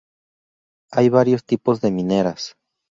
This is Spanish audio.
Hay varios tipos de mineras.